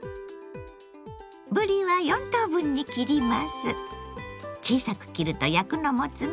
ぶりは４等分に切ります。